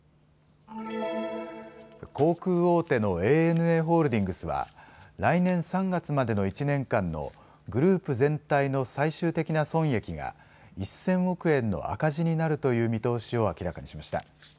航空大手のＡＮＡホールディングスは来年３月までの１年間のグループ全体の最終的な損益が１０００億円の赤字になるという見通しを明らかにしました。